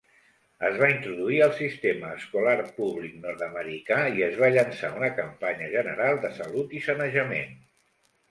Es va introduir el sistema escolar públic nord-americà i es va llançar una campanya general de salut i sanejament.